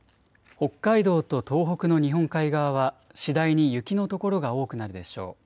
北海道と東北の日本海側は次第に雪の所が多くなるでしょう。